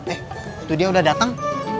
eh itu dia udah datang